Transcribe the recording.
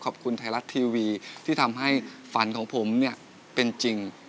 ขอบคุณไทยรัฐทีวีที่ทำให้ฝันของผมเนี่ยเป็นจริง